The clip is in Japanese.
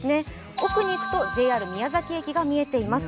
奥に行くとＪＲ宮崎駅が見えています。